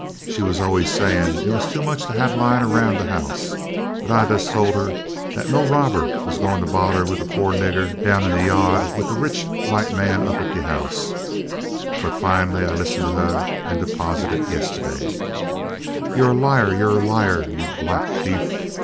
She was allus sayin' it was too much to have layin' 'roun' de house. But I des' tol' huh dat no robber was n't goin' to bothah de po' niggah down in de ya'd wid de rich white man up at de house. But fin'lly I listened to huh an' sposited it yistiddy." "You 're a liar! you 're a liar, you black thief!"